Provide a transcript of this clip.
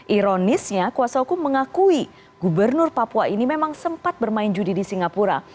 ironisnya kuasa hukum mengakui gubernur papua ini memang sempat bermain judi di singapura